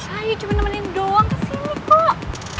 ayo cuma nemenin doang kesini kok